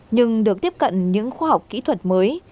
nhưng được tiếp cận những khoa học kỹ thuật mới